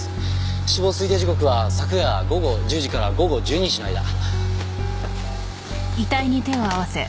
死亡推定時刻は昨夜午後１０時から午後１２時の間。